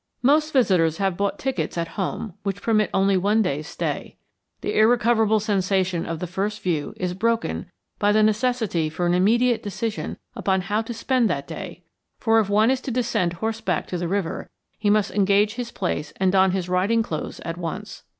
Most visitors have bought tickets at home which permit only one day's stay. The irrecoverable sensation of the first view is broken by the necessity for an immediate decision upon how to spend that day, for if one is to descend horseback to the river he must engage his place and don his riding clothes at once.